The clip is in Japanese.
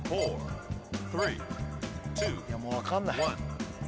もう分かんない。